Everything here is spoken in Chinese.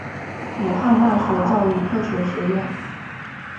武汉大学教育科学学院